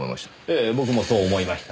ええ僕もそう思いました。